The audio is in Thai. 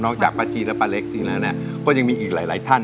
นอกจากปะจี๊และปะเล็กที่นั้นก็ยังมีอีกหลายท่าน